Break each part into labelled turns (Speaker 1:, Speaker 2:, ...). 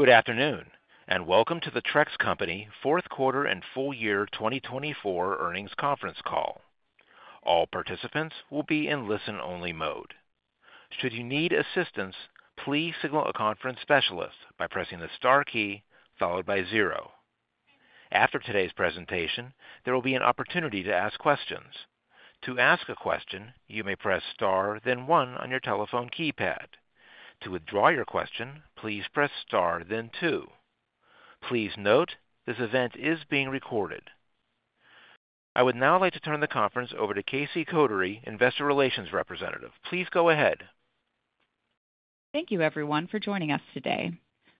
Speaker 1: Good afternoon, and welcome to the Trex Company Fourth Quarter and Full Year 2024 Earnings Conference Call. All participants will be in listen-only mode. Should you need assistance, please signal a conference specialist by pressing the star key followed by zero. After today's presentation, there will be an opportunity to ask questions. To ask a question, you may press star, then one on your telephone keypad. To withdraw your question, please press star, then two. Please note this event is being recorded. I would now like to turn the conference over to Casey Kotary, Investor Relations Representative. Please go ahead. Thank you, everyone, for joining us today.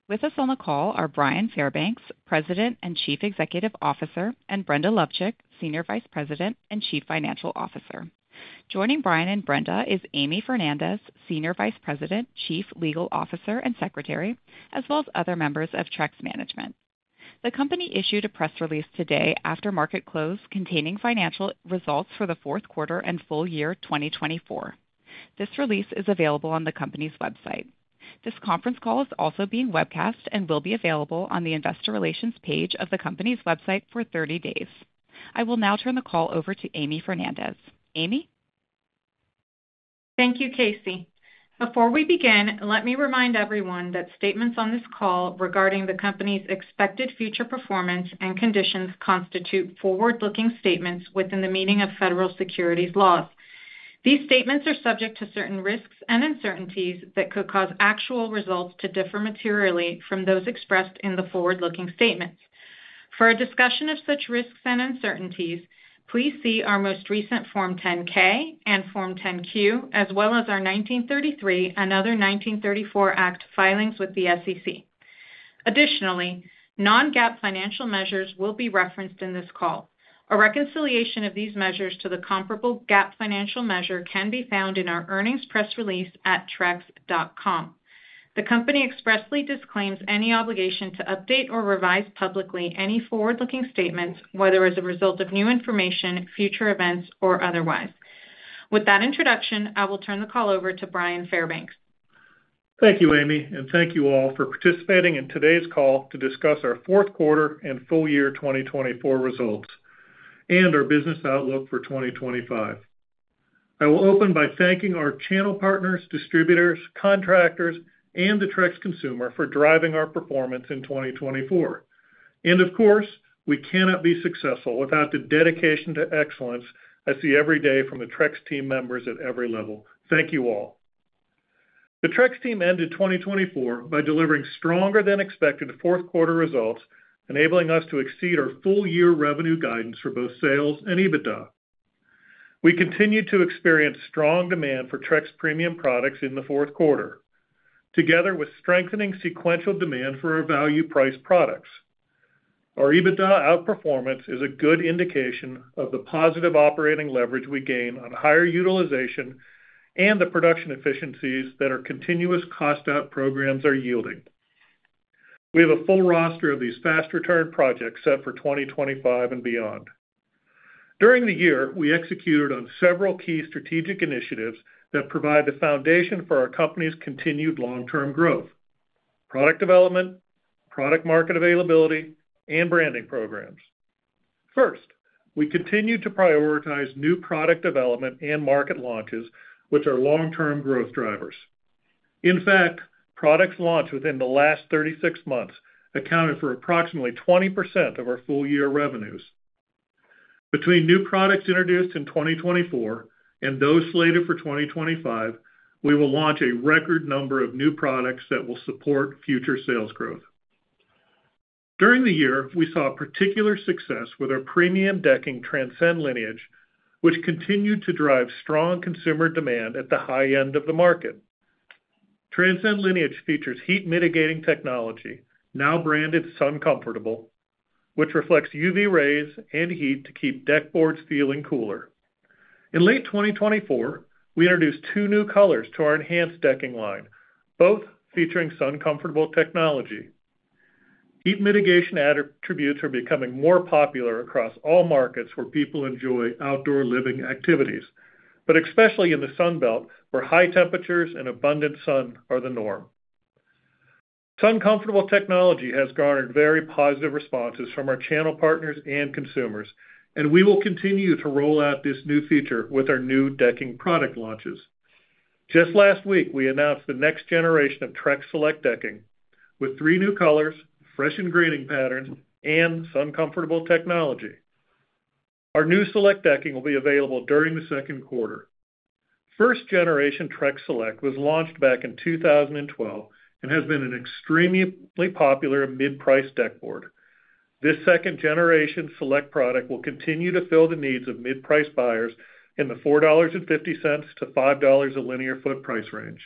Speaker 1: With us on the call are Bryan Fairbanks, President and Chief Executive Officer, and Brenda Lovcik, Senior Vice President and Chief Financial Officer. Joining Bryan and Brenda is Amy Fernandez, Senior Vice President, Chief Legal Officer, and Secretary, as well as other members of Trex management. The company issued a press release today after market close containing financial results for the fourth quarter and full year 2024. This release is available on the company's website. This conference call is also being webcast and will be available on the Investor Relations page of the company's website for 30 days. I will now turn the call over to Amy Fernandez. Amy?
Speaker 2: Thank you, Casey. Before we begin, let me remind everyone that statements on this call regarding the company's expected future performance and conditions constitute forward-looking statements within the meaning of federal securities laws. These statements are subject to certain risks and uncertainties that could cause actual results to differ materially from those expressed in the forward-looking statements. For a discussion of such risks and uncertainties, please see our most recent Form 10-K and Form 10-Q, as well as our 1933 and other 1934 Act filings with the SEC. Additionally, non-GAAP financial measures will be referenced in this call. A reconciliation of these measures to the comparable GAAP financial measure can be found in our earnings press release at trex.com. The company expressly disclaims any obligation to update or revise publicly any forward-looking statements, whether as a result of new information, future events, or otherwise. With that introduction, I will turn the call over to Bryan Fairbanks.
Speaker 3: Thank you, Amy, and thank you all for participating in today's call to discuss our fourth quarter and full year 2024 results and our business outlook for 2025. I will open by thanking our channel partners, distributors, contractors, and the Trex consumer for driving our performance in 2024, and of course, we cannot be successful without the dedication to excellence I see every day from the Trex team members at every level. Thank you all. The Trex team ended 2024 by delivering stronger-than-expected fourth quarter results, enabling us to exceed our full year revenue guidance for both sales and EBITDA. We continue to experience strong demand for Trex premium products in the fourth quarter, together with strengthening sequential demand for our value-priced products. Our EBITDA outperformance is a good indication of the positive operating leverage we gain on higher utilization and the production efficiencies that our continuous cost-out programs are yielding. We have a full roster of these fast-return projects set for 2025 and beyond. During the year, we executed on several key strategic initiatives that provide the foundation for our company's continued long-term growth: product development, product market availability, and branding programs. First, we continue to prioritize new product development and market launches, which are long-term growth drivers. In fact, products launched within the last 36 months accounted for approximately 20% of our full year revenues. Between new products introduced in 2024 and those slated for 2025, we will launch a record number of new products that will support future sales growth. During the year, we saw particular success with our premium decking Transcend Lineage, which continued to drive strong consumer demand at the high end of the market. Transcend Lineage features heat-mitigating technology, now branded SunComfortable, which reflects UV rays and heat to keep deck boards feeling cooler. In late 2024, we introduced two new colors to our Enhance decking line, both featuring SunComfortable technology. Heat-mitigation attributes are becoming more popular across all markets where people enjoy outdoor living activities, but especially in the Sun Belt where high temperatures and abundant sun are the norm. SunComfortable technology has garnered very positive responses from our channel partners and consumers, and we will continue to roll out this new feature with our new decking product launches. Just last week, we announced the next generation of Trex Select decking with three new colors, fresh engraving patterns, and SunComfortable technology. Our new Select decking will be available during the second quarter. First-generation Trex Select was launched back in 2012 and has been an extremely popular mid-price deck board. This second-generation Select product will continue to fill the needs of mid-price buyers in the $4.50-$5 a linear foot price range.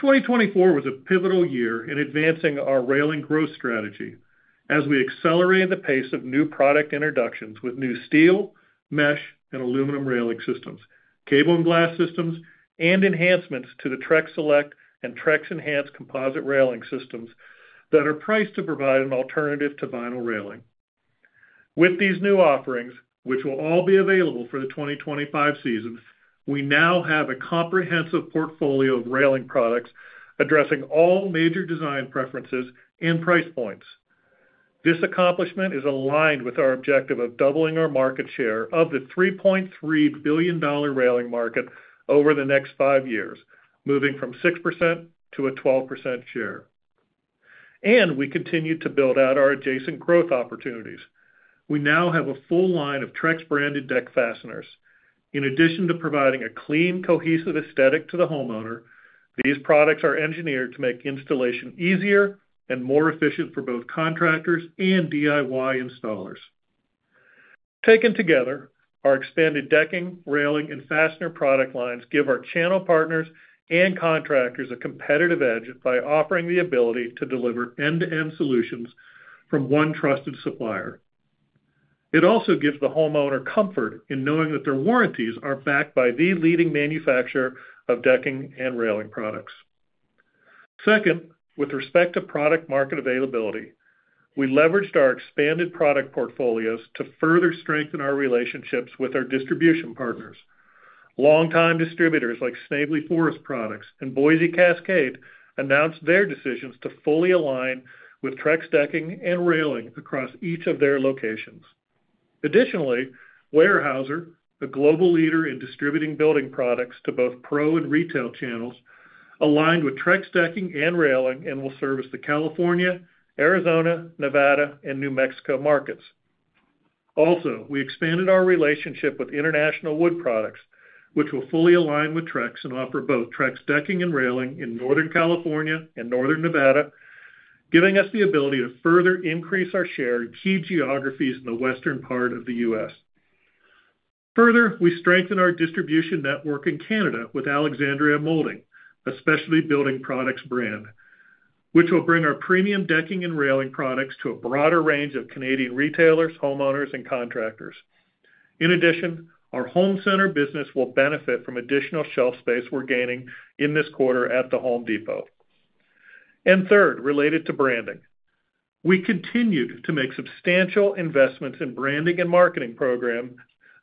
Speaker 3: 2024 was a pivotal year in advancing our railing growth strategy as we accelerated the pace of new product introductions with new steel, mesh, and aluminum railing systems, cable and glass systems, and enhancements to the Trex Select and Trex Enhance composite railing systems that are priced to provide an alternative to vinyl railing. With these new offerings, which will all be available for the 2025 season, we now have a comprehensive portfolio of railing products addressing all major design preferences and price points. This accomplishment is aligned with our objective of doubling our market share of the $3.3 billion railing market over the next five years, moving from 6% to a 12% share. We continue to build out our adjacent growth opportunities. We now have a full line of Trex-branded deck fasteners. In addition to providing a clean, cohesive aesthetic to the homeowner, these products are engineered to make installation easier and more efficient for both contractors and DIY installers. Taken together, our expanded decking, railing, and fastener product lines give our channel partners and contractors a competitive edge by offering the ability to deliver end-to-end solutions from one trusted supplier. It also gives the homeowner comfort in knowing that their warranties are backed by the leading manufacturer of decking and railing products. Second, with respect to product market availability, we leveraged our expanded product portfolios to further strengthen our relationships with our distribution partners. Longtime distributors like Snavely Forest Products and Boise Cascade announced their decisions to fully align with Trex decking and railing across each of their locations. Additionally, Weyerhaeuser, a global leader in distributing building products to both pro and retail channels, aligned with Trex decking and railing and will service the California, Arizona, Nevada, and New Mexico markets. Also, we expanded our relationship with International Wood Products, which will fully align with Trex and offer both Trex decking and railing in Northern California and Northern Nevada, giving us the ability to further increase our share in key geographies in the western part of the U.S. Further, we strengthen our distribution network in Canada with Alexandria Moulding, a specialty building products brand, which will bring our premium decking and railing products to a broader range of Canadian retailers, homeowners, and contractors. In addition, our home center business will benefit from additional shelf space we're gaining in this quarter at the Home Depot. And third, related to branding, we continued to make substantial investments in branding and marketing programs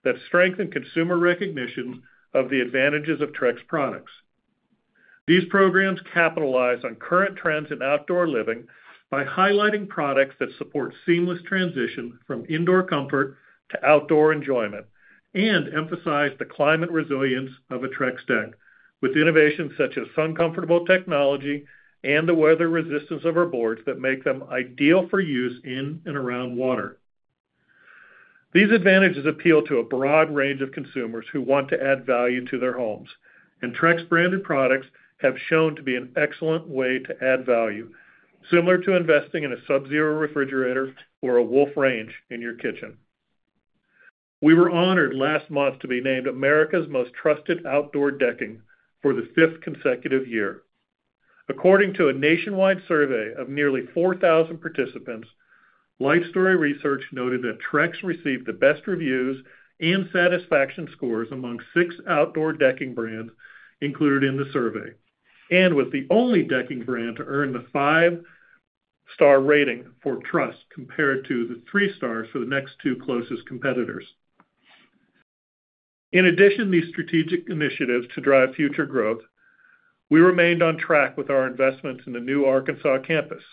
Speaker 3: that strengthen consumer recognition of the advantages of Trex products. These programs capitalize on current trends in outdoor living by highlighting products that support seamless transition from indoor comfort to outdoor enjoyment and emphasize the climate resilience of a Trex deck, with innovations such as SunComfortable technology and the weather resistance of our boards that make them ideal for use in and around water. These advantages appeal to a broad range of consumers who want to add value to their homes, and Trex-branded products have shown to be an excellent way to add value, similar to investing in a Sub-Zero refrigerator or a Wolf range in your kitchen. We were honored last month to be named America's Most Trusted Outdoor Decking for the fifth consecutive year. According to a nationwide survey of nearly 4,000 participants, Lifestory Research noted that Trex received the best reviews and satisfaction scores among six outdoor decking brands included in the survey, and was the only decking brand to earn the five-star rating for trust compared to the three stars for the next two closest competitors. In addition to these strategic initiatives to drive future growth, we remained on track with our investments in the new Arkansas campus.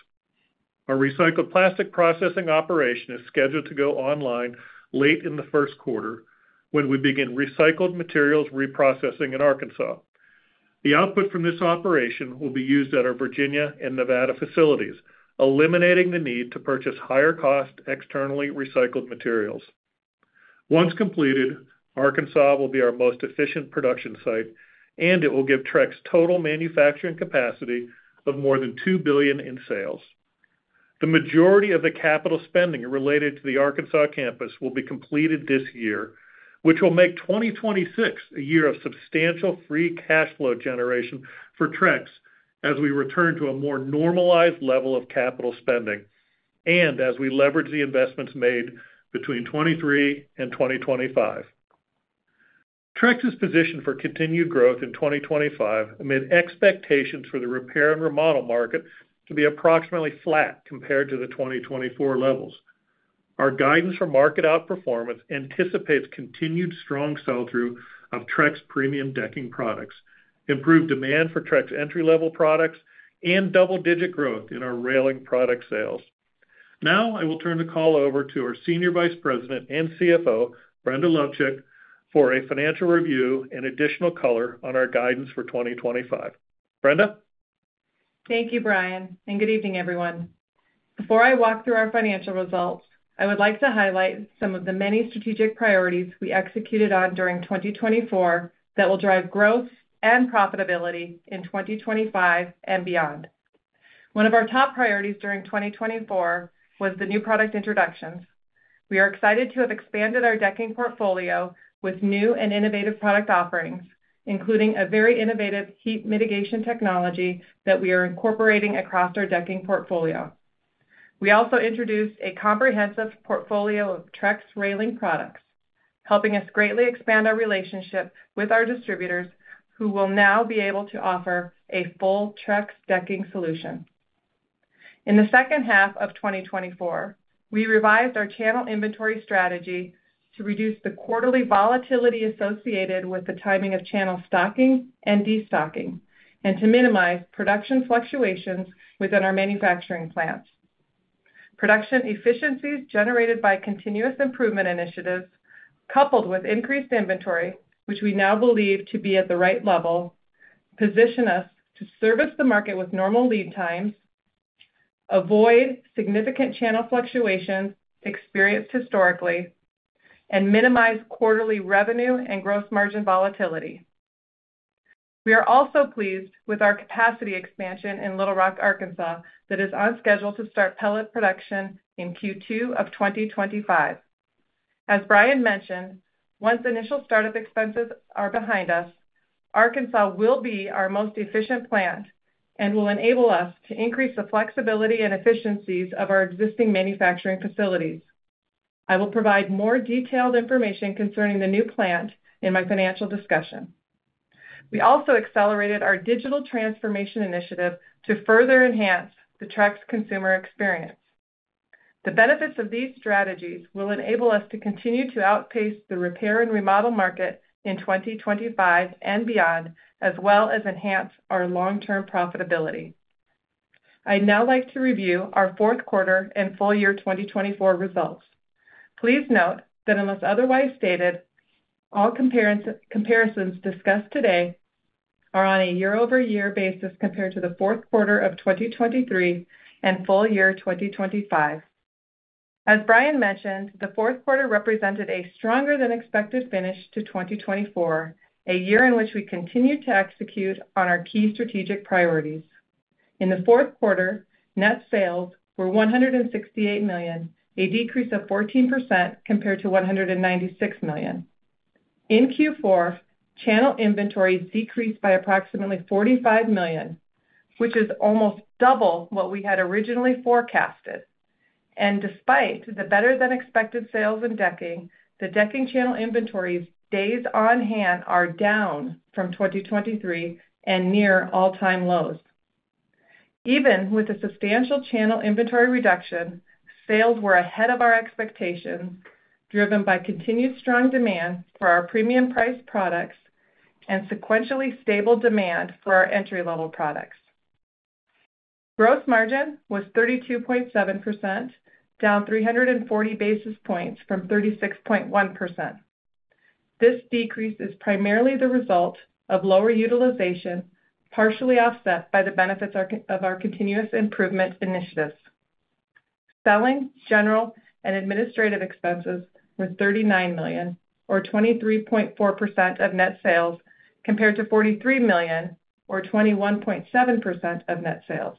Speaker 3: Our recycled plastic processing operation is scheduled to go online late in the first quarter when we begin recycled materials reprocessing in Arkansas. The output from this operation will be used at our Virginia and Nevada facilities, eliminating the need to purchase higher-cost externally recycled materials. Once completed, Arkansas will be our most efficient production site, and it will give Trex total manufacturing capacity of more than $2 billion in sales. The majority of the capital spending related to the Arkansas campus will be completed this year, which will make 2026 a year of substantial free cash flow generation for Trex as we return to a more normalized level of capital spending and as we leverage the investments made between 2023 and 2025. Trex is positioned for continued growth in 2025 amid expectations for the repair and remodel market to be approximately flat compared to the 2024 levels. Our guidance for market outperformance anticipates continued strong sell-through of Trex premium decking products, improved demand for Trex entry-level products, and double-digit growth in our railing product sales. Now, I will turn the call over to our Senior Vice President and CFO, Brenda Lovcik, for a financial review and additional color on our guidance for 2025. Brenda?
Speaker 4: Thank you, Bryan, and good evening, everyone. Before I walk through our financial results, I would like to highlight some of the many strategic priorities we executed on during 2024 that will drive growth and profitability in 2025 and beyond. One of our top priorities during 2024 was the new product introductions. We are excited to have expanded our decking portfolio with new and innovative product offerings, including a very innovative heat mitigation technology that we are incorporating across our decking portfolio. We also introduced a comprehensive portfolio of Trex railing products, helping us greatly expand our relationship with our distributors, who will now be able to offer a full Trex decking solution. In the second half of 2024, we revised our channel inventory strategy to reduce the quarterly volatility associated with the timing of channel stocking and destocking and to minimize production fluctuations within our manufacturing plants. Production efficiencies generated by continuous improvement initiatives, coupled with increased inventory, which we now believe to be at the right level, position us to service the market with normal lead times, avoid significant channel fluctuations experienced historically, and minimize quarterly revenue and gross margin volatility. We are also pleased with our capacity expansion in Little Rock, Arkansas, that is on schedule to start pellet production in Q2 of 2025. As Bryan mentioned, once initial startup expenses are behind us, Arkansas will be our most efficient plant and will enable us to increase the flexibility and efficiencies of our existing manufacturing facilities. I will provide more detailed information concerning the new plant in my financial discussion. We also accelerated our digital transformation initiative to further enhance the Trex consumer experience. The benefits of these strategies will enable us to continue to outpace the repair and remodel market in 2025 and beyond, as well as enhance our long-term profitability. I'd now like to review our fourth quarter and full year 2024 results. Please note that unless otherwise stated, all comparisons discussed today are on a year-over-year basis compared to the fourth quarter of 2023 and full year 2023. As Bryan mentioned, the fourth quarter represented a stronger-than-expected finish to 2024, a year in which we continued to execute on our key strategic priorities. In the fourth quarter, net sales were $168 million, a decrease of 14% compared to $196 million. In Q4, channel inventories decreased by approximately $45 million, which is almost double what we had originally forecasted. Despite the better-than-expected sales in decking, the decking channel inventories days on hand are down from 2023 and near all-time lows. Even with a substantial channel inventory reduction, sales were ahead of our expectations, driven by continued strong demand for our premium-priced products and sequentially stable demand for our entry-level products. Gross margin was 32.7%, down 340 basis points from 36.1%. This decrease is primarily the result of lower utilization, partially offset by the benefits of our continuous improvement initiatives. Selling, general, and administrative expenses were $39 million, or 23.4% of net sales, compared to $43 million, or 21.7% of net sales.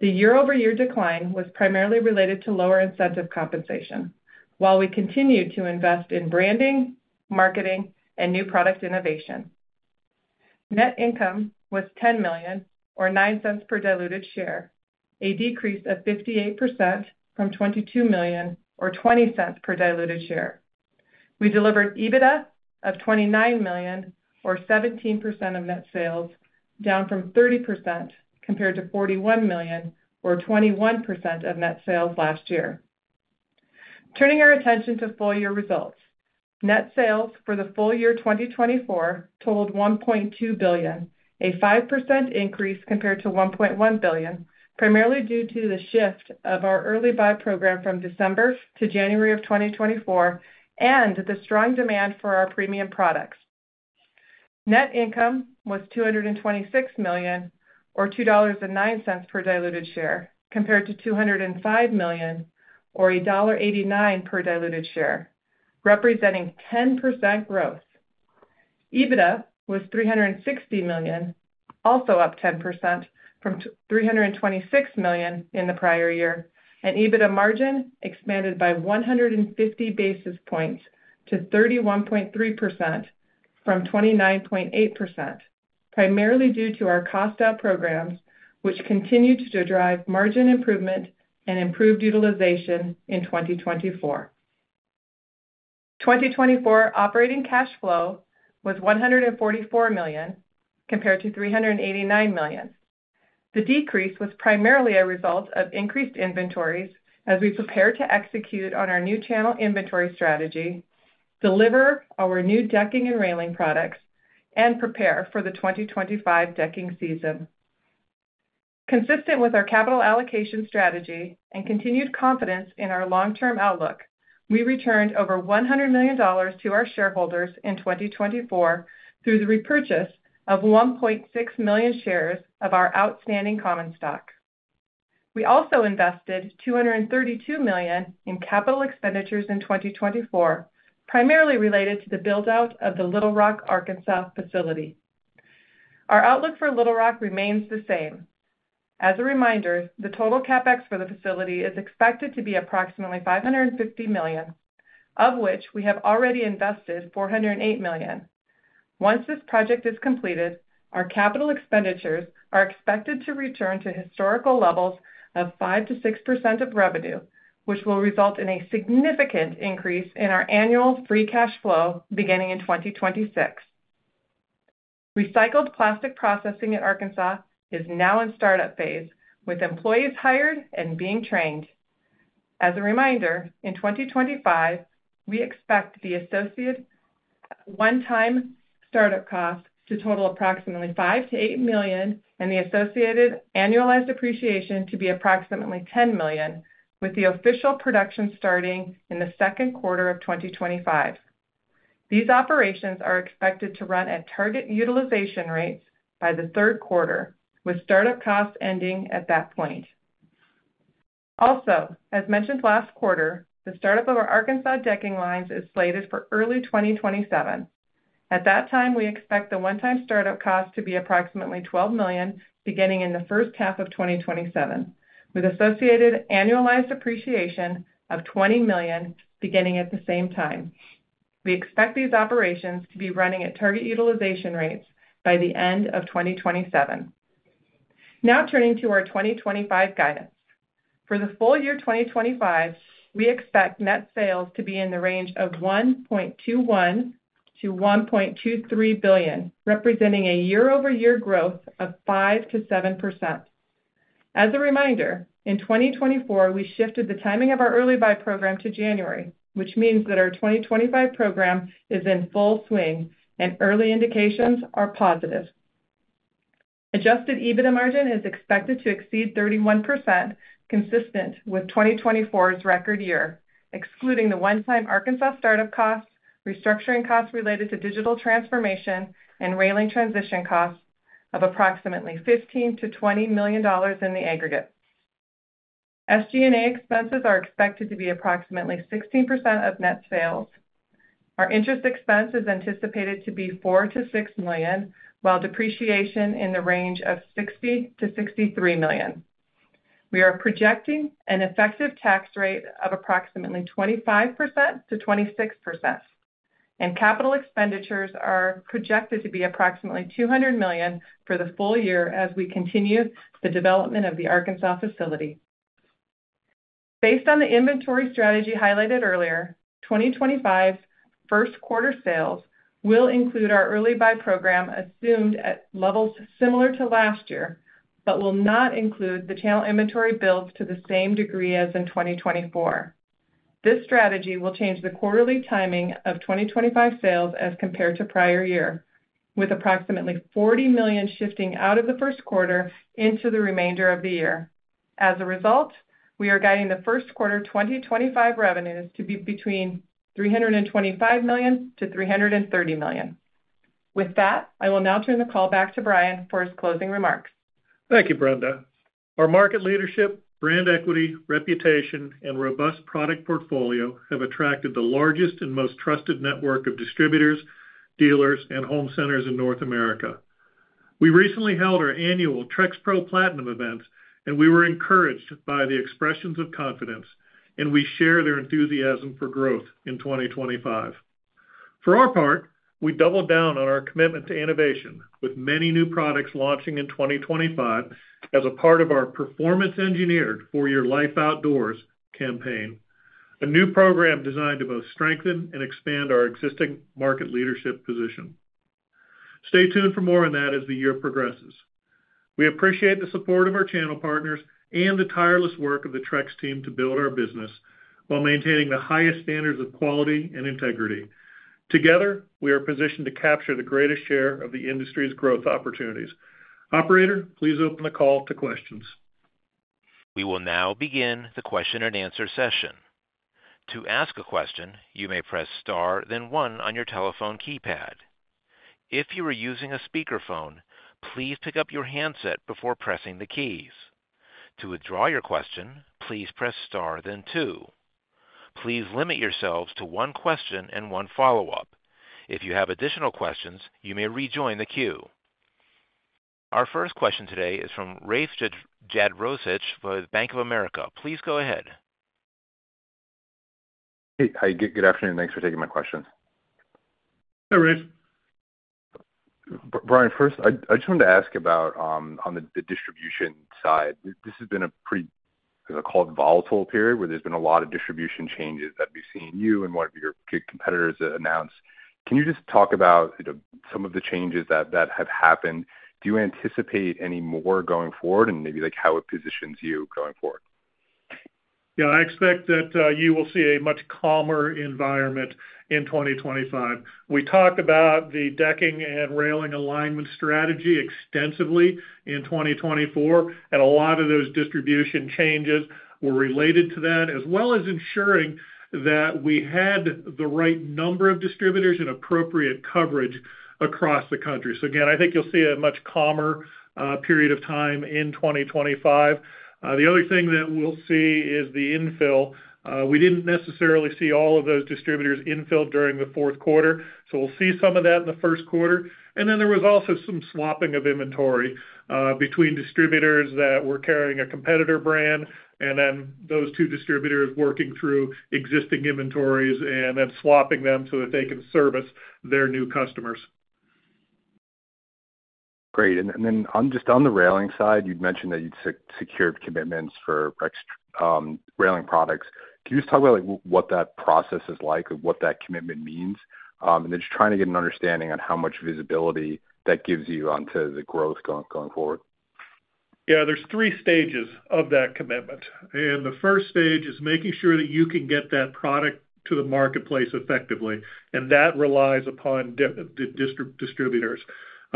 Speaker 4: The year-over-year decline was primarily related to lower incentive compensation, while we continued to invest in branding, marketing, and new product innovation. Net income was $10 million, or $0.09 per diluted share, a decrease of 58% from $22 million, or $0.20 per diluted share. We delivered EBITDA of $29 million, or 17% of net sales, down from 30% compared to $41 million, or 21% of net sales last year. Turning our attention to full year results, net sales for the full year 2024 totaled $1.2 billion, a 5% increase compared to $1.1 billion, primarily due to the shift of our early buy program from December to January of 2024 and the strong demand for our premium products. Net income was $226 million, or $2.09 per diluted share, compared to $205 million, or $1.89 per diluted share, representing 10% growth. EBITDA was $360 million, also up 10% from $326 million in the prior year, and EBITDA margin expanded by 150 basis points to 31.3% from 29.8%, primarily due to our cost-out programs, which continued to drive margin improvement and improved utilization in 2024. 2024 operating cash flow was $144 million, compared to $389 million. The decrease was primarily a result of increased inventories as we prepared to execute on our new channel inventory strategy, deliver our new decking and railing products, and prepare for the 2025 decking season. Consistent with our capital allocation strategy and continued confidence in our long-term outlook, we returned over $100 million to our shareholders in 2024 through the repurchase of 1.6 million shares of our outstanding common stock. We also invested $232 million in capital expenditures in 2024, primarily related to the build-out of the Little Rock, Arkansas, facility. Our outlook for Little Rock remains the same. As a reminder, the total CapEx for the facility is expected to be approximately $550 million, of which we have already invested $408 million. Once this project is completed, our capital expenditures are expected to return to historical levels of 5%-6% of revenue, which will result in a significant increase in our annual free cash flow beginning in 2026. Recycled plastic processing at Arkansas is now in startup phase, with employees hired and being trained. As a reminder, in 2025, we expect the associated one-time startup costs to total approximately $5 million-$8 million, and the associated annualized appreciation to be approximately $10 million, with the official production starting in the second quarter of 2025. These operations are expected to run at target utilization rates by the third quarter, with startup costs ending at that point. Also, as mentioned last quarter, the startup of our Arkansas decking lines is slated for early 2027. At that time, we expect the one-time startup costs to be approximately $12 million beginning in the first half of 2027, with associated annualized appreciation of $20 million beginning at the same time. We expect these operations to be running at target utilization rates by the end of 2027. Now, turning to our 2025 guidance. For the full year 2025, we expect net sales to be in the range of $1.21-$1.23 billion, representing a year-over-year growth of 5%-7%. As a reminder, in 2024, we shifted the timing of our early buy program to January, which means that our 2025 program is in full swing, and early indications are positive. Adjusted EBITDA margin is expected to exceed 31%, consistent with 2024's record year, excluding the one-time Arkansas startup costs, restructuring costs related to digital transformation, and railing transition costs of approximately $15 million-$20 million in the aggregate. SG&A expenses are expected to be approximately 16% of net sales. Our interest expense is anticipated to be $4 million-$6 million, while depreciation in the range of $60 million-$63 million. We are projecting an effective tax rate of approximately 25%-26%, and capital expenditures are projected to be approximately $200 million for the full year as we continue the development of the Arkansas facility. Based on the inventory strategy highlighted earlier, 2025's first quarter sales will include our early buy program assumed at levels similar to last year, but will not include the channel inventory builds to the same degree as in 2024. This strategy will change the quarterly timing of 2025 sales as compared to prior year, with approximately $40 million shifting out of the first quarter into the remainder of the year. As a result, we are guiding the first quarter 2025 revenues to be between $325 million-$330 million. With that, I will now turn the call back to Bryan for his closing remarks.
Speaker 3: Thank you, Brenda. Our market leadership, brand equity, reputation, and robust product portfolio have attracted the largest and most trusted network of distributors, dealers, and home centers in North America. We recently held our annual TrexPro Platinum events, and we were encouraged by the expressions of confidence, and we share their enthusiasm for growth in 2025. For our part, we doubled down on our commitment to innovation, with many new products launching in 2025 as a part of our Performance Engineered for Your Life Outdoors campaign, a new program designed to both strengthen and expand our existing market leadership position. Stay tuned for more on that as the year progresses. We appreciate the support of our channel partners and the tireless work of the Trex team to build our business while maintaining the highest standards of quality and integrity. Together, we are positioned to capture the greatest share of the industry's growth opportunities. Operator, please open the call to questions.
Speaker 1: We will now begin the question-and-answer session. To ask a question, you may press Star, then 1 on your telephone keypad. If you are using a speakerphone, please pick up your handset before pressing the keys. To withdraw your question, please press Star, then 2. Please limit yourselves to one question and one follow-up. If you have additional questions, you may rejoin the queue. Our first question today is from Rafe Jadrosich for the Bank of America. Please go ahead.
Speaker 5: Hey, good afternoon. Thanks for taking my question.
Speaker 3: Hey, Rafe.
Speaker 5: Bryan, first, I just wanted to ask about on the distribution side, this has been a pretty volatile period where there's been a lot of distribution changes that we've seen you and one of your competitors announce. Can you just talk about some of the changes that have happened? Do you anticipate any more going forward and maybe how it positions you going forward?
Speaker 3: Yeah, I expect that you will see a much calmer environment in 2025. We talked about the decking and railing alignment strategy extensively in 2024, and a lot of those distribution changes were related to that, as well as ensuring that we had the right number of distributors and appropriate coverage across the country. So again, I think you'll see a much calmer period of time in 2025. The other thing that we'll see is the infill. We didn't necessarily see all of those distributors infill during the fourth quarter, so we'll see some of that in the first quarter. And then there was also some swapping of inventory between distributors that were carrying a competitor brand and then those two distributors working through existing inventories and then swapping them so that they can service their new customers.
Speaker 5: Great. And then just on the railing side, you'd mentioned that you'd secured commitments for railing products. Can you just talk about what that process is like, what that commitment means, and then just trying to get an understanding on how much visibility that gives you onto the growth going forward?
Speaker 3: Yeah, there's three stages of that commitment, and the first stage is making sure that you can get that product to the marketplace effectively, and that relies upon the distributors.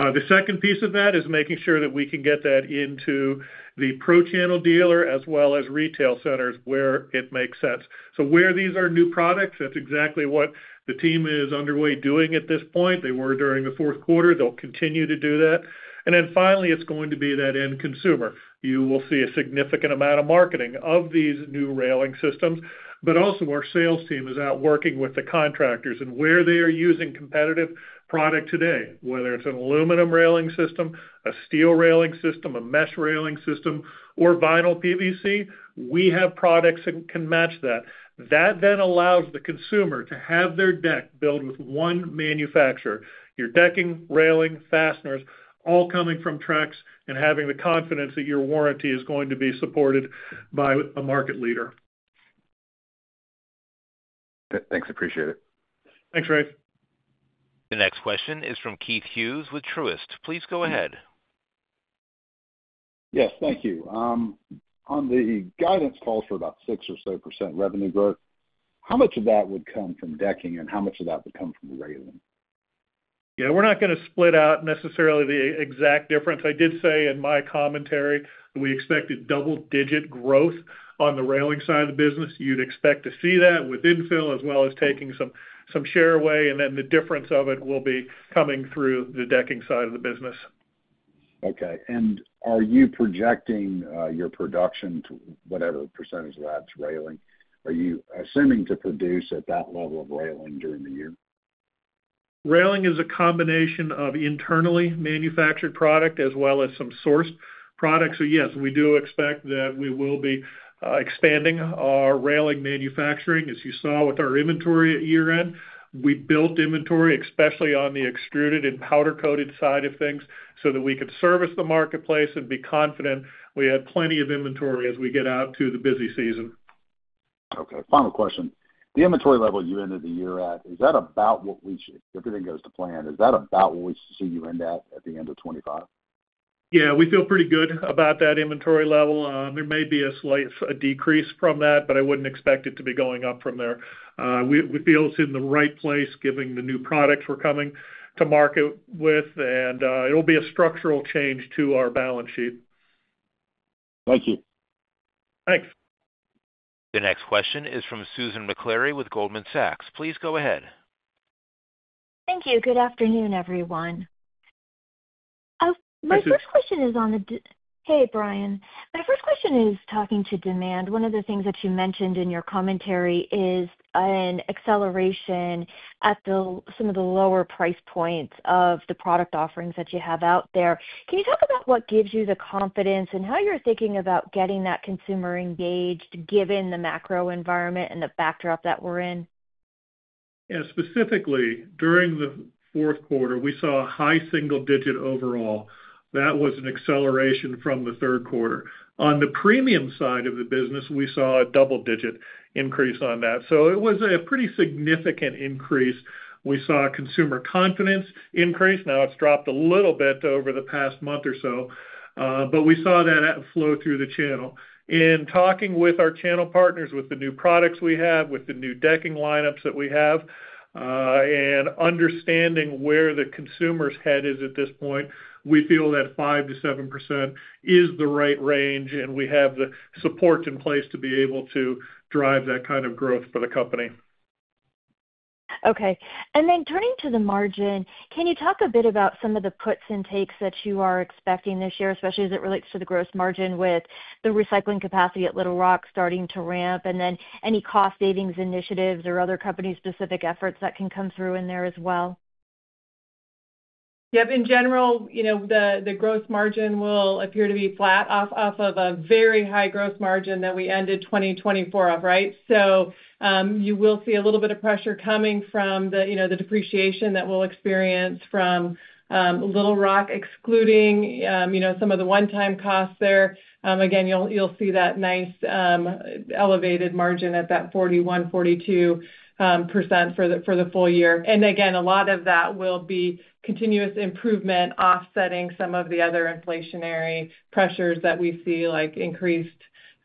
Speaker 3: The second piece of that is making sure that we can get that into the pro channel dealer as well as retail centers where it makes sense, so where these are new products, that's exactly what the team is underway doing at this point. They were during the fourth quarter. They'll continue to do that, and then finally, it's going to be that end consumer. You will see a significant amount of marketing of these new railing systems, but also our sales team is out working with the contractors, and where they are using competitive product today, whether it's an aluminum railing system, a steel railing system, a mesh railing system, or vinyl PVC. We have products that can match that. That then allows the consumer to have their deck built with one manufacturer, your decking, railing, fasteners, all coming from Trex and having the confidence that your warranty is going to be supported by a market leader.
Speaker 5: Thanks. Appreciate it.
Speaker 3: Thanks, Rafe.
Speaker 1: The next question is from Keith Hughes with Truist. Please go ahead.
Speaker 6: Yes, thank you. On the guidance calls for about 6% or so revenue growth, how much of that would come from decking and how much of that would come from railing?
Speaker 3: Yeah, we're not going to split out necessarily the exact difference. I did say in my commentary that we expected double-digit growth on the railing side of the business. You'd expect to see that with infill as well as taking some share away, and then the difference of it will be coming through the decking side of the business.
Speaker 6: Okay, and are you projecting your production, whatever percentage of that's railing? Are you assuming to produce at that level of railing during the year?
Speaker 3: Railing is a combination of internally manufactured product as well as some sourced products. So yes, we do expect that we will be expanding our railing manufacturing, as you saw with our inventory at year-end. We built inventory, especially on the extruded and powder-coated side of things, so that we could service the marketplace and be confident we had plenty of inventory as we get out to the busy season.
Speaker 6: Okay. Final question. The inventory level you ended the year at, is that about what we—if everything goes to plan—is that about what we see you end at the end of 2025?
Speaker 3: Yeah, we feel pretty good about that inventory level. There may be a slight decrease from that, but I wouldn't expect it to be going up from there. We feel it's in the right place given the new products we're coming to market with, and it'll be a structural change to our balance sheet.
Speaker 6: Thank you.
Speaker 3: Thanks.
Speaker 1: The next question is from Susan Maklari with Goldman Sachs. Please go ahead.
Speaker 7: Thank you. Good afternoon, everyone. Hey, Bryan. My first question is talking to demand. One of the things that you mentioned in your commentary is an acceleration at some of the lower price points of the product offerings that you have out there. Can you talk about what gives you the confidence and how you're thinking about getting that consumer engaged given the macro environment and the backdrop that we're in?
Speaker 3: Yeah. Specifically, during the fourth quarter, we saw a high single-digit overall. That was an acceleration from the third quarter. On the premium side of the business, we saw a double-digit increase on that. So it was a pretty significant increase. We saw consumer confidence increase. Now, it's dropped a little bit over the past month or so, but we saw that flow through the channel. In talking with our channel partners, with the new products we have, with the new decking lineups that we have, and understanding where the consumer's head is at this point, we feel that 5%-7% is the right range, and we have the support in place to be able to drive that kind of growth for the company.
Speaker 7: Okay. And then turning to the margin, can you talk a bit about some of the puts and takes that you are expecting this year, especially as it relates to the gross margin with the recycling capacity at Little Rock starting to ramp, and then any cost-savings initiatives or other company-specific efforts that can come through in there as well?
Speaker 4: Yep. In general, the gross margin will appear to be flat off of a very high gross margin that we ended 2024 off, right? So you will see a little bit of pressure coming from the depreciation that we'll experience from Little Rock, excluding some of the one-time costs there. Again, you'll see that nice elevated margin at that 41%-42% for the full year. And again, a lot of that will be continuous improvement offsetting some of the other inflationary pressures that we see, like increased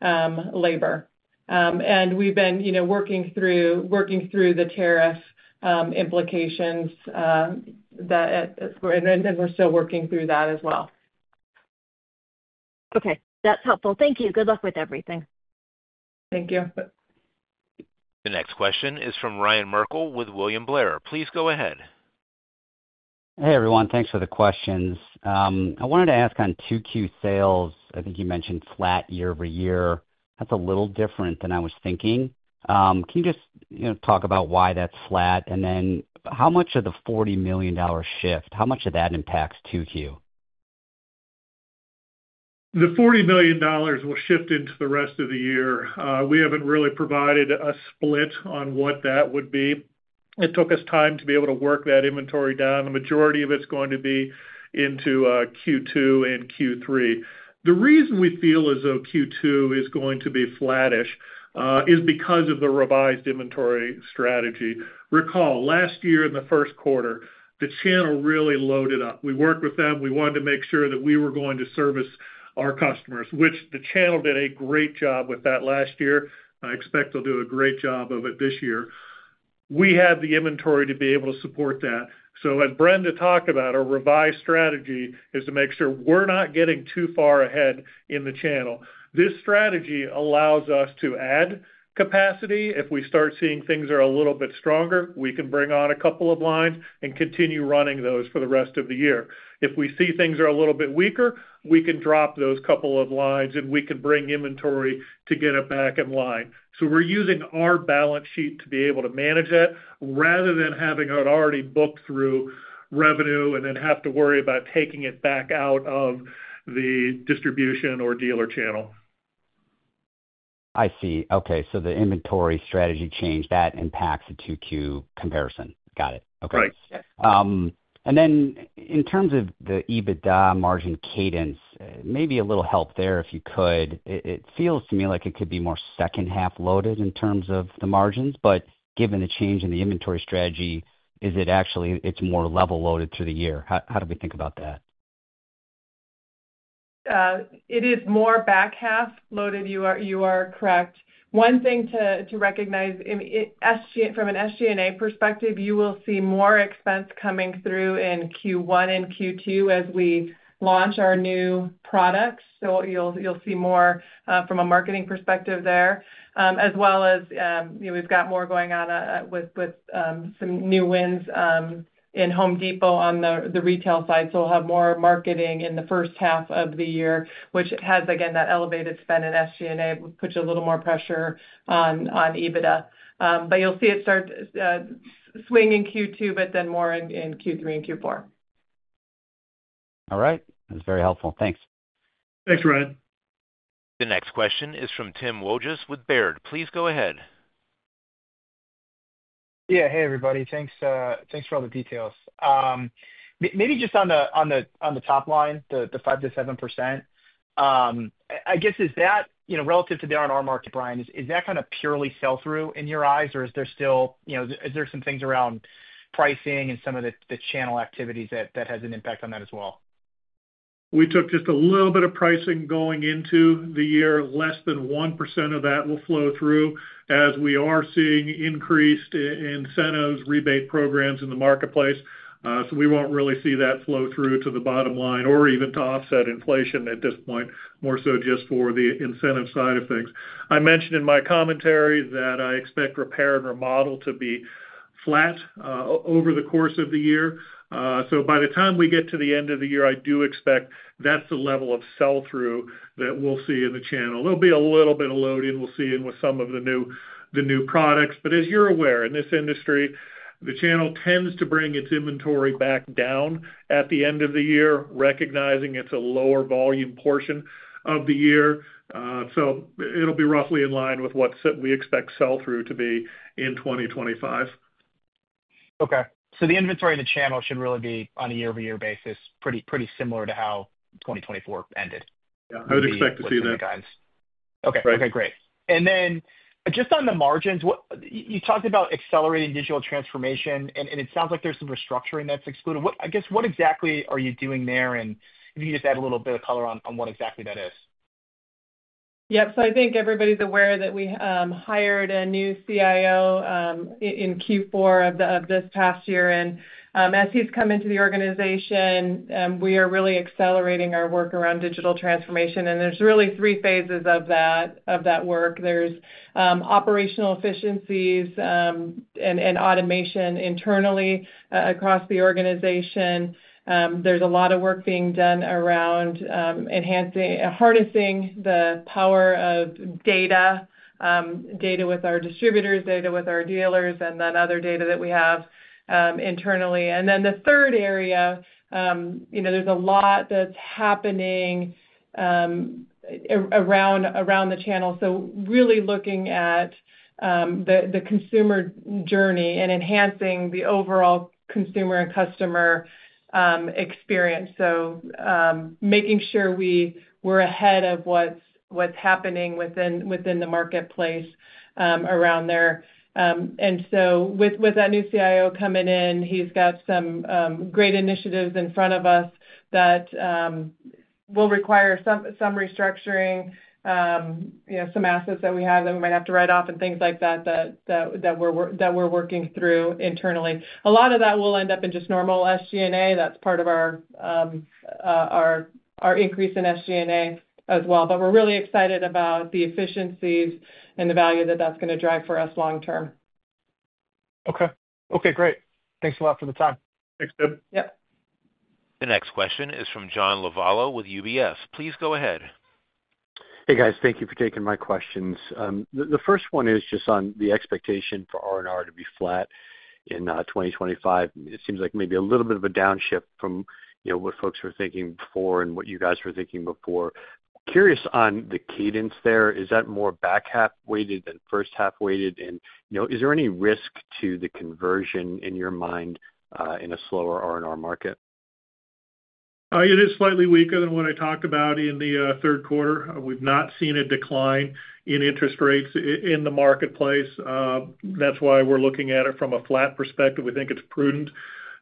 Speaker 4: labor. And we've been working through the tariff implications, and we're still working through that as well.
Speaker 7: Okay. That's helpful. Thank you. Good luck with everything.
Speaker 4: Thank you.
Speaker 1: The next question is from Ryan Merkel with William Blair. Please go ahead.
Speaker 8: Hey, everyone. Thanks for the questions. I wanted to ask on 2Q sales. I think you mentioned flat year-over-year. That's a little different than I was thinking. Can you just talk about why that's flat? And then how much of the $40 million shift, how much of that impacts 2Q?
Speaker 3: The $40 million will shift into the rest of the year. We haven't really provided a split on what that would be. It took us time to be able to work that inventory down. The majority of it's going to be into Q2 and Q3. The reason we feel as though Q2 is going to be flattish is because of the revised inventory strategy. Recall, last year in the first quarter, the channel really loaded up. We worked with them. We wanted to make sure that we were going to service our customers, which the channel did a great job with that last year. I expect they'll do a great job of it this year. We have the inventory to be able to support that. So as Brenda talked about, our revised strategy is to make sure we're not getting too far ahead in the channel. This strategy allows us to add capacity. If we start seeing things are a little bit stronger, we can bring on a couple of lines and continue running those for the rest of the year. If we see things are a little bit weaker, we can drop those couple of lines, and we can bring inventory to get it back in line, so we're using our balance sheet to be able to manage that rather than having it already booked through revenue and then have to worry about taking it back out of the distribution or dealer channel.
Speaker 8: I see. Okay. So the inventory strategy change. That impacts the 2Q comparison. Got it. Okay. And then in terms of the EBITDA margin cadence, maybe a little help there if you could. It feels to me like it could be more second-half loaded in terms of the margins, but given the change in the inventory strategy, is it actually more level loaded through the year? How do we think about that?
Speaker 4: It is more back-half loaded. You are correct. One thing to recognize, from an SG&A perspective, you will see more expense coming through in Q1 and Q2 as we launch our new products. So you'll see more from a marketing perspective there, as well as we've got more going on with some new wins in Home Depot on the retail side. So we'll have more marketing in the first half of the year, which has, again, that elevated spend in SG&A, which puts a little more pressure on EBITDA. But you'll see it start swinging Q2, but then more in Q3 and Q4.
Speaker 8: All right. That's very helpful. Thanks.
Speaker 3: Thanks, Bryan.
Speaker 1: The next question is from Tim Wojs with Baird. Please go ahead.
Speaker 9: Yeah. Hey, everybody. Thanks for all the details. Maybe just on the top line, the 5%-7%, I guess, is that relative to the R&R market, Bryan, is that kind of purely sell-through in your eyes, or is there still some things around pricing and some of the channel activities that has an impact on that as well?
Speaker 3: We took just a little bit of pricing going into the year. Less than 1% of that will flow through as we are seeing increased incentives, rebate programs in the marketplace. So we won't really see that flow through to the bottom line or even to offset inflation at this point, more so just for the incentive side of things. I mentioned in my commentary that I expect repair and remodel to be flat over the course of the year. So by the time we get to the end of the year, I do expect that's the level of sell-through that we'll see in the channel. There'll be a little bit of loading we'll see in with some of the new products. But as you're aware, in this industry, the channel tends to bring its inventory back down at the end of the year, recognizing it's a lower volume portion of the year. So it'll be roughly in line with what we expect sell-through to be in 2025.
Speaker 9: Okay, so the inventory of the channel should really be on a year-over-year basis, pretty similar to how 2024 ended.
Speaker 3: Yeah. I would expect to see that.
Speaker 9: Okay. Great. And then just on the margins, you talked about accelerating digital transformation, and it sounds like there's some restructuring that's excluded. I guess, what exactly are you doing there? And if you could just add a little bit of color on what exactly that is.
Speaker 4: Yep. So I think everybody's aware that we hired a new CIO in Q4 of this past year. And as he's come into the organization, we are really accelerating our work around digital transformation. And there's really three phases of that work. There's operational efficiencies and automation internally across the organization. There's a lot of work being done around harnessing the power of data with our distributors, data with our dealers, and then other data that we have internally. And then the third area, there's a lot that's happening around the channel. So really looking at the consumer journey and enhancing the overall consumer and customer experience. So making sure we're ahead of what's happening within the marketplace around there. With that new CIO coming in, he's got some great initiatives in front of us that will require some restructuring, some assets that we have that we might have to write off, and things like that that we're working through internally. A lot of that will end up in just normal SG&A. That's part of our increase in SG&A as well. We're really excited about the efficiencies and the value that that's going to drive for us long-term.
Speaker 9: Okay. Great. Thanks a lot for the time.
Speaker 3: Thanks, Tim.
Speaker 9: Yep.
Speaker 1: The next question is from John Lovallo with UBS. Please go ahead.
Speaker 10: Hey, guys. Thank you for taking my questions. The first one is just on the expectation for R&R to be flat in 2025. It seems like maybe a little bit of a downshift from what folks were thinking before and what you guys were thinking before. Curious on the cadence there. Is that more back-half weighted than first-half weighted? And is there any risk to the conversion in your mind in a slower R&R market?
Speaker 3: It is slightly weaker than what I talked about in the third quarter. We've not seen a decline in interest rates in the marketplace. That's why we're looking at it from a flat perspective. We think it's prudent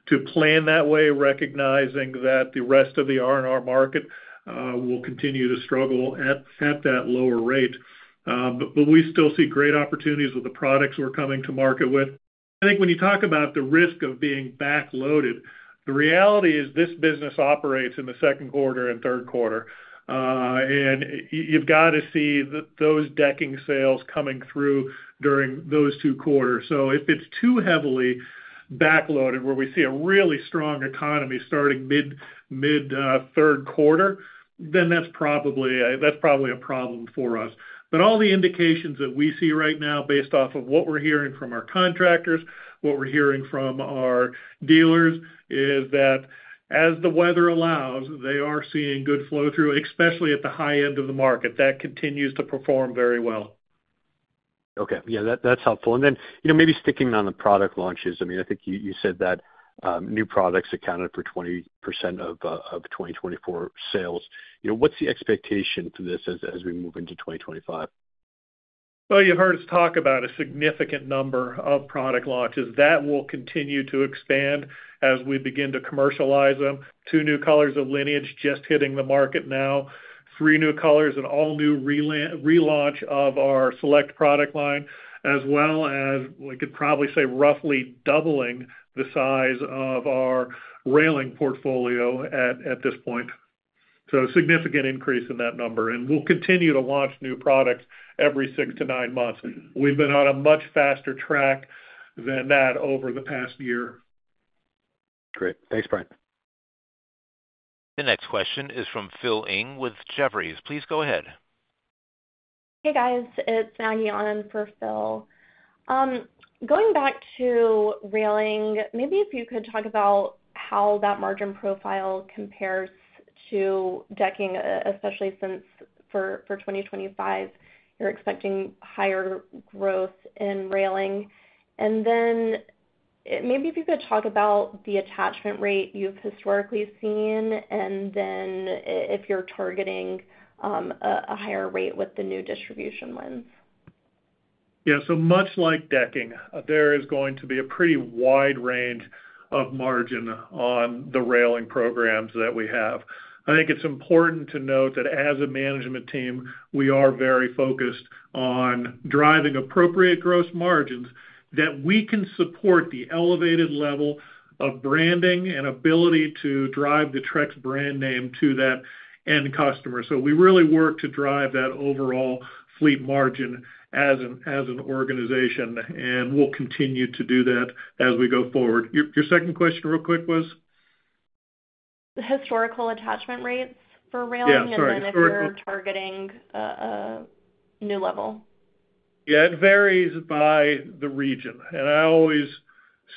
Speaker 3: to plan that way, recognizing that the rest of the R&R market will continue to struggle at that lower rate. But we still see great opportunities with the products we're coming to market with. I think when you talk about the risk of being back-loaded, the reality is this business operates in the second quarter and third quarter. And you've got to see those decking sales coming through during those two quarters. So if it's too heavily back-loaded where we see a really strong economy starting mid-third quarter, then that's probably a problem for us. But all the indications that we see right now, based off of what we're hearing from our contractors, what we're hearing from our dealers, is that as the weather allows, they are seeing good flow-through, especially at the high end of the market. That continues to perform very well.
Speaker 10: Okay. Yeah. That's helpful. And then maybe sticking on the product launches, I mean, I think you said that new products accounted for 20% of 2024 sales. What's the expectation for this as we move into 2025?
Speaker 3: You've heard us talk about a significant number of product launches. That will continue to expand as we begin to commercialize them. Two new colors of Lineage just hitting the market now. Three new colors and all-new relaunch of our Select product line, as well as we could probably say roughly doubling the size of our Railing portfolio at this point. So a significant increase in that number. We'll continue to launch new products every six to nine months. We've been on a much faster track than that over the past year.
Speaker 10: Great. Thanks, Bryan.
Speaker 1: The next question is from Phil Ng with Jefferies. Please go ahead.
Speaker 11: Hey, guys. It's Maggie on for Phil. Going back to railing, maybe if you could talk about how that margin profile compares to decking, especially since for 2025, you're expecting higher growth in railing? And then maybe if you could talk about the attachment rate you've historically seen, and then if you're targeting a higher rate with the new distribution lines?
Speaker 3: Yeah. So much like decking, there is going to be a pretty wide range of margin on the railing programs that we have. I think it's important to note that as a management team, we are very focused on driving appropriate gross margins, that we can support the elevated level of branding and ability to drive the Trex brand name to that end customer. So we really work to drive that overall fleet margin as an organization, and we'll continue to do that as we go forward. Your second question real quick was?
Speaker 11: Historical attachment rates for railing and then if you're targeting a new level?
Speaker 3: Yeah. It varies by the region. I always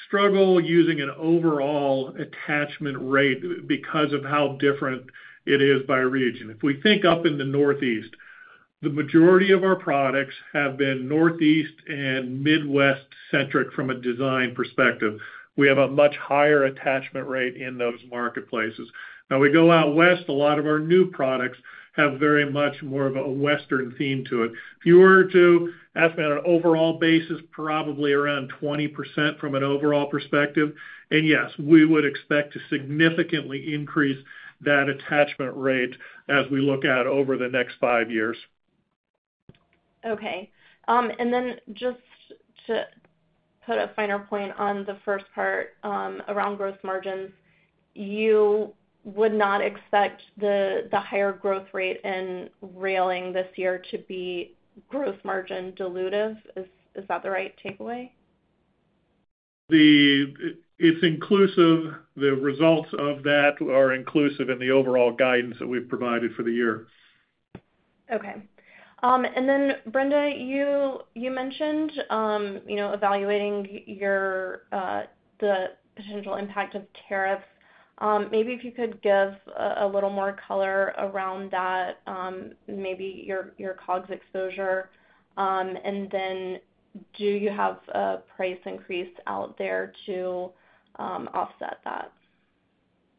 Speaker 3: struggle using an overall attachment rate because of how different it is by region. If we think up in the Northeast, the majority of our products have been Northeast and Midwest-centric from a design perspective. We have a much higher attachment rate in those marketplaces. Now, we go out west. A lot of our new products have very much more of a western theme to it. If you were to ask me on an overall basis, probably around 20% from an overall perspective. Yes, we would expect to significantly increase that attachment rate as we look at it over the next five years.
Speaker 11: Okay. And then just to put a finer point on the first part around gross margins, you would not expect the higher growth rate in railing this year to be gross margin dilutive. Is that the right takeaway?
Speaker 3: It's inclusive. The results of that are inclusive in the overall guidance that we've provided for the year.
Speaker 11: Okay. And then, Brenda, you mentioned evaluating the potential impact of tariffs. Maybe if you could give a little more color around that, maybe your COGS exposure. And then do you have a price increase out there to offset that?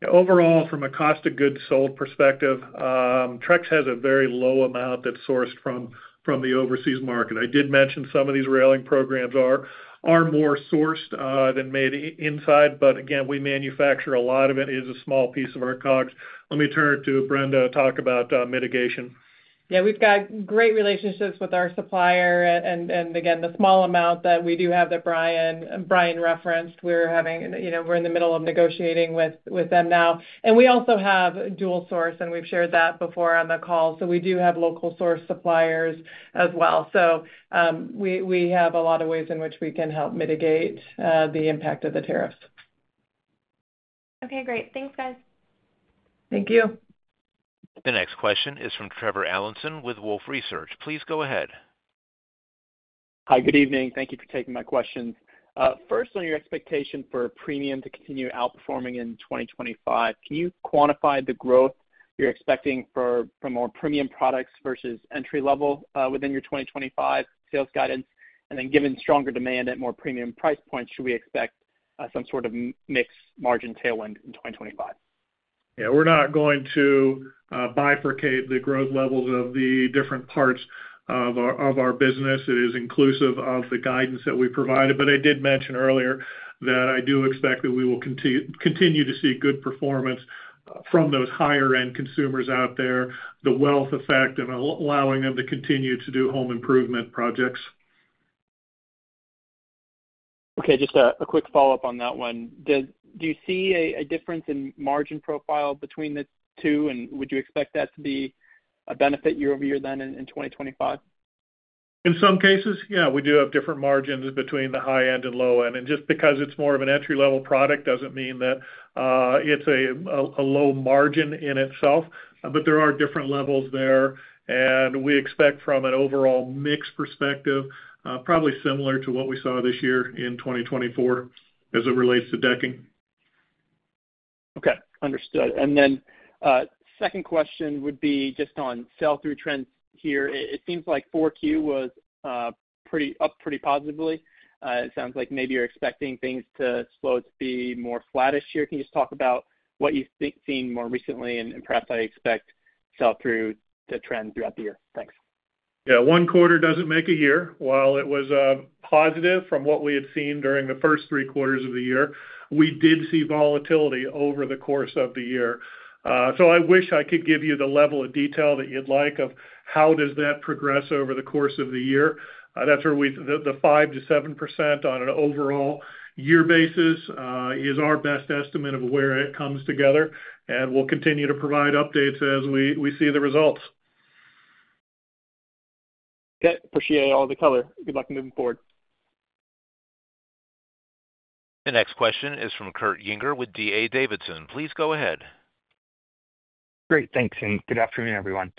Speaker 3: Overall, from a cost of goods sold perspective, Trex has a very low amount that's sourced from the overseas market. I did mention some of these railing programs are more sourced than made inside. But again, we manufacture a lot of it. It is a small piece of our COGS. Let me turn it to Brenda to talk about mitigation.
Speaker 4: Yeah. We've got great relationships with our supplier, and again, the small amount that we do have that Bryan referenced, we're in the middle of negotiating with them now, and we also have dual source, and we've shared that before on the call, so we do have local source suppliers as well, so we have a lot of ways in which we can help mitigate the impact of the tariffs.
Speaker 11: Okay. Great. Thanks, guys.
Speaker 4: Thank you.
Speaker 1: The next question is from Trevor Allinson with Wolfe Research. Please go ahead.
Speaker 12: Hi. Good evening. Thank you for taking my questions. First, on your expectation for premium to continue outperforming in 2025, can you quantify the growth you're expecting from more premium products versus entry-level within your 2025 sales guidance, and then given stronger demand at more premium price points, should we expect some sort of mixed margin tailwind in 2025?
Speaker 3: Yeah. We're not going to bifurcate the growth levels of the different parts of our business. It is inclusive of the guidance that we provided. But I did mention earlier that I do expect that we will continue to see good performance from those higher-end consumers out there, the wealth effect, and allowing them to continue to do home improvement projects.
Speaker 12: Okay. Just a quick follow-up on that one. Do you see a difference in margin profile between the two, and would you expect that to be a benefit year over year then in 2025?
Speaker 3: In some cases, yeah. We do have different margins between the high-end and low-end. And just because it's more of an entry-level product doesn't mean that it's a low margin in itself. But there are different levels there. And we expect from an overall mixed perspective, probably similar to what we saw this year in 2024 as it relates to decking.
Speaker 12: Okay. Understood. And then second question would be just on sell-through trends here. It seems like 4Q was up pretty positively. It sounds like maybe you're expecting things to slow to be more flattish here. Can you just talk about what you've seen more recently and perhaps how you expect sell-through to trend throughout the year? Thanks.
Speaker 3: Yeah. One quarter doesn't make a year. While it was positive from what we had seen during the first three quarters of the year, we did see volatility over the course of the year. So I wish I could give you the level of detail that you'd like of how does that progress over the course of the year. That's where the 5%-7% on an overall year basis is our best estimate of where it comes together. And we'll continue to provide updates as we see the results.
Speaker 12: Okay. Appreciate all the color. Good luck moving forward.
Speaker 1: The next question is from Kurt Yinger with D.A. Davidson. Please go ahead.
Speaker 13: Great. Thanks. And good afternoon, everyone.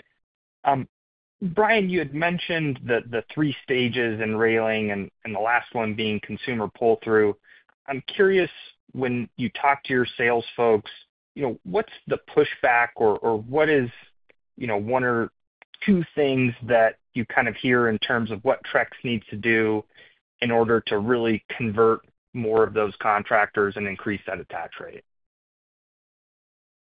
Speaker 13: Bryan, you had mentioned the three stages in railing and the last one being consumer pull-through. I'm curious, when you talk to your sales folks, what's the pushback or what is one or two things that you kind of hear in terms of what Trex needs to do in order to really convert more of those contractors and increase that attach rate?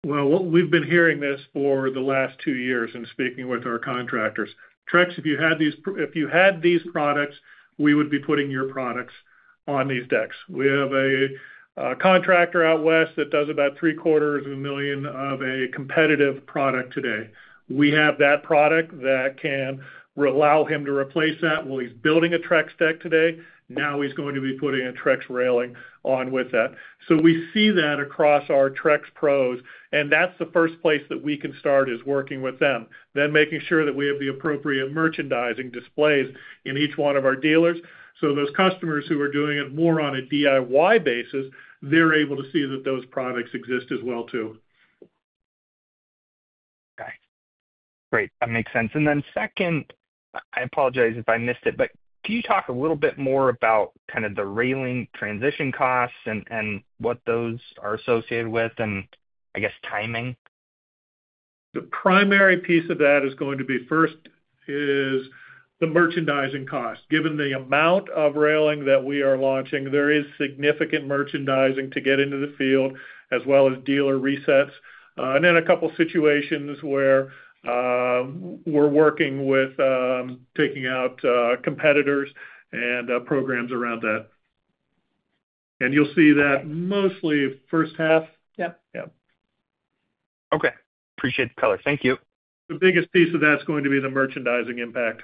Speaker 3: We've been hearing this for the last two years in speaking with our contractors. Trex, if you had these products, we would be putting your products on these decks. We have a contractor out west that does about $750,000 of a competitive product today. We have that product that can allow him to replace that while he's building a Trex deck today. Now he's going to be putting a Trex railing on with that. So we see that across our TrexPros. And that's the first place that we can start is working with them, then making sure that we have the appropriate merchandising displays in each one of our dealers. So those customers who are doing it more on a DIY basis, they're able to see that those products exist as well too.
Speaker 13: Okay. Great. That makes sense. And then second, I apologize if I missed it, but can you talk a little bit more about kind of the railing transition costs and what those are associated with and, I guess, timing?
Speaker 3: The primary piece of that is going to be first, the merchandising cost. Given the amount of railing that we are launching, there is significant merchandising to get into the field as well as dealer resets, and then a couple of situations where we're working with taking out competitors and programs around that, and you'll see that mostly first half.
Speaker 4: Yep.
Speaker 13: Yep. Okay. Appreciate the color. Thank you.
Speaker 3: The biggest piece of that's going to be the merchandising impact.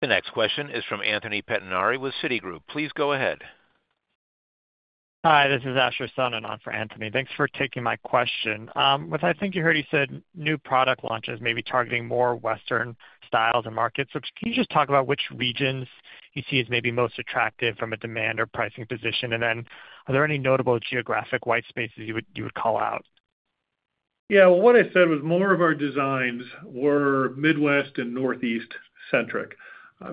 Speaker 1: The next question is from Anthony Pettinari with Citigroup. Please go ahead.
Speaker 14: Hi. This is Asher Sohnen for Anthony. Thanks for taking my question. I think you heard he said new product launches may be targeting more western styles and markets. Can you just talk about which regions you see as maybe most attractive from a demand or pricing position? And then are there any notable geographic white spaces you would call out?
Speaker 3: Yeah. Well, what I said was more of our designs were Midwest and Northeast-centric.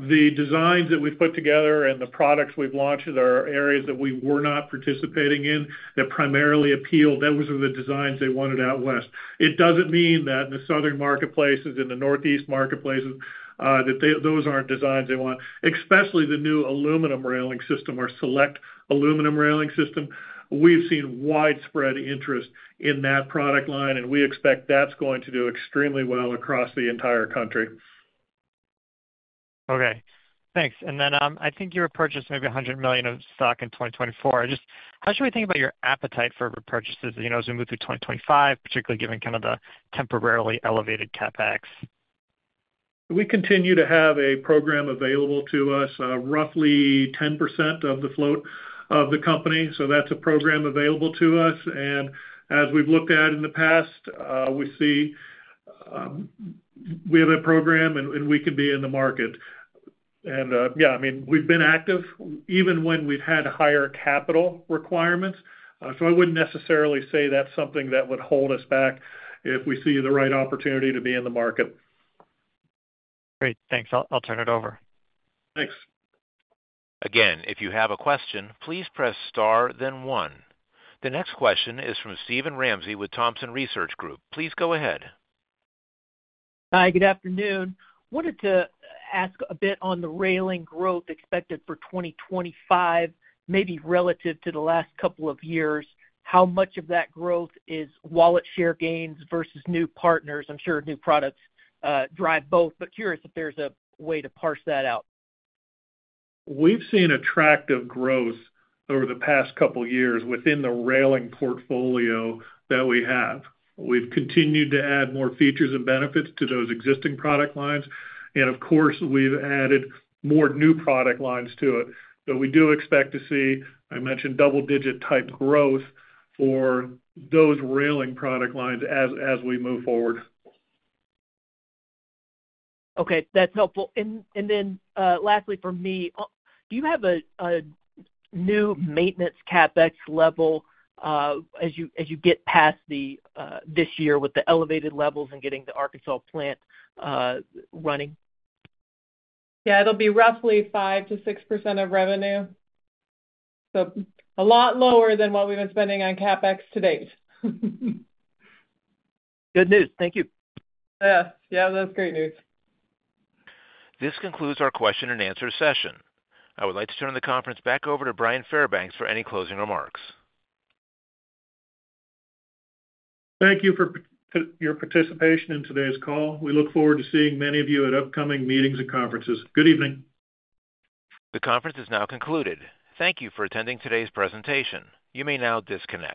Speaker 3: The designs that we've put together and the products we've launched are areas that we were not participating in that primarily appealed. Those were the designs they wanted out west. It doesn't mean that in the southern marketplaces and the Northeast marketplaces, that those aren't designs they want. Especially the new aluminum railing system or Select Aluminum railing system, we've seen widespread interest in that product line, and we expect that's going to do extremely well across the entire country.
Speaker 14: Okay. Thanks. And then I think you purchased maybe $100 million of stock in 2024. Just how should we think about your appetite for repurchases as we move through 2025, particularly given kind of the temporarily elevated CapEx?
Speaker 3: We continue to have a program available to us, roughly 10% of the float of the company. So that's a program available to us. And as we've looked at in the past, we see we have a program, and we can be in the market. And yeah, I mean, we've been active even when we've had higher capital requirements. So I wouldn't necessarily say that's something that would hold us back if we see the right opportunity to be in the market.
Speaker 14: Great. Thanks. I'll turn it over.
Speaker 3: Thanks.
Speaker 1: Again, if you have a question, please press star, then one. The next question is from Steven Ramsey with Thompson Research Group. Please go ahead.
Speaker 15: Hi. Good afternoon. Wanted to ask a bit on the railing growth expected for 2025, maybe relative to the last couple of years. How much of that growth is wallet share gains versus new partners? I'm sure new products drive both, but curious if there's a way to parse that out.
Speaker 3: We've seen attractive growth over the past couple of years within the railing portfolio that we have. We've continued to add more features and benefits to those existing product lines. And of course, we've added more new product lines to it. But we do expect to see, I mentioned, double-digit type growth for those railing product lines as we move forward.
Speaker 15: Okay. That's helpful. And then lastly, for me, do you have a new maintenance CapEx level as you get past this year with the elevated levels and getting the Arkansas plant running?
Speaker 4: Yeah. It'll be roughly 5%-6% of revenue. So a lot lower than what we've been spending on CapEx to date.
Speaker 15: Good news. Thank you.
Speaker 4: Yes. Yeah. That's great news.
Speaker 1: This concludes our question-and-answer session. I would like to turn the conference back over to Bryan Fairbanks for any closing remarks.
Speaker 3: Thank you for your participation in today's call. We look forward to seeing many of you at upcoming meetings and conferences. Good evening.
Speaker 1: The conference is now concluded. Thank you for attending today's presentation. You may now disconnect.